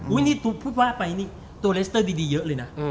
นี่พูดว่าไปนี่ตัวเลสเตอร์ดีเยอะเลยนะ